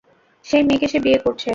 সেই মেয়েকে সে বিয়ে করছে।